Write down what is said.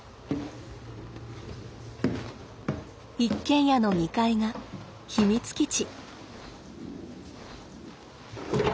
一軒家の２階が秘密基地。